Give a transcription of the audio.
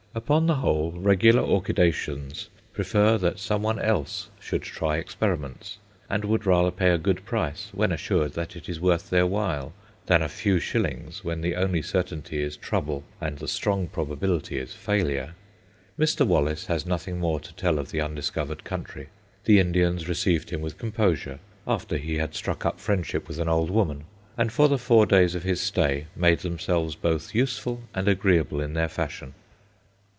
Upon the whole, regular orchidaceans prefer that some one else should try experiments, and would rather pay a good price, when assured that it is worth their while, than a few shillings when the only certainty is trouble and the strong probability is failure. Mr. Wallace has nothing more to tell of the undiscovered country. The Indians received him with composure, after he had struck up friendship with an old woman, and for the four days of his stay made themselves both useful and agreeable in their fashion.